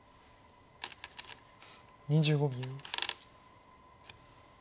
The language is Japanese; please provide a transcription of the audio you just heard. ２５秒。